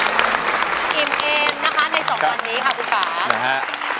อิ่มเอ็นในสองวันนี้ค่ะคุณฟ้า